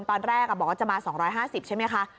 ตอนแรกบอกว่าจะมา๒๕๐ใช่ไหมคะ